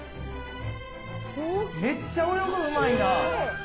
めっちゃ泳ぐんうまいな。